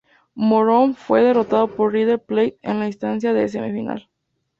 Morón fue derrotado por River Plate en la instancia de semifinal.